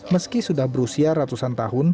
meski sudah berusia ratusan tahun